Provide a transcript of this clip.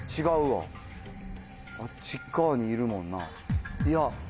あっち側にいるもんな。